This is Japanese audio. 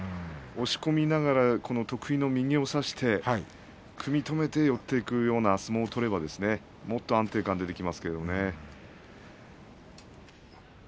押し込みながら得意の右を差して組み止めて寄っていくような相撲を取ればもっと安定感が出てきますけどね。